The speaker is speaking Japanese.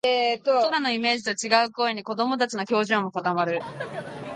キャラのイメージと違う声に、子どもたちの表情が固まる